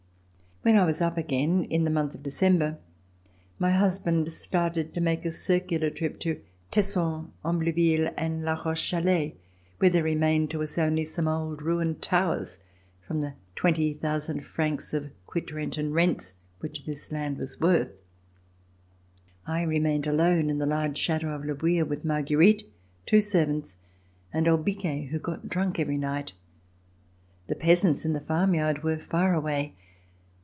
VISIT TO PARIS When I was up again, in the month of December, my husband started to make a circular trip to Tesson, Ambleville and La Roche Chalais, where there re mained to us only some old ruined towers, from the 20,000 francs of quit rent and rents which this land was worth. I remained alone in the large Chateau of Le Bouilh with Marguerite, two servants, and old Biquet who got drunk every night. The peasants in the farm yard were far away.